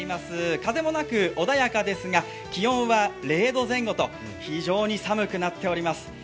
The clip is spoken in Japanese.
風もなく穏やかですが、気温は０度前後と非常に寒くなっています。